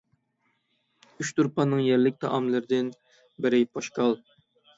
ئۇچتۇرپاننىڭ يەرلىك تائاملىرىدىن بىرى پوشكال.